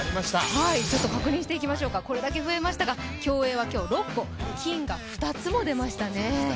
ちょっと確認していきましょうかこれだけ増えましたが競泳は６個、金が２つも出ましたね。